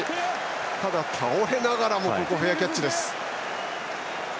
ただ、倒れながらもフェアキャッチです。